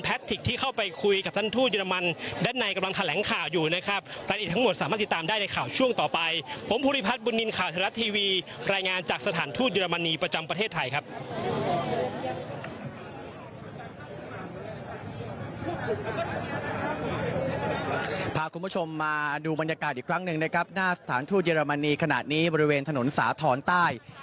พาคุณผู้ชมไปดูบรรยากาศอีกครั้งหนึ่งนะครับหน้าสถานทูตเรมนีขนาดนี้บริเวณถนนสาธรณ์ใต้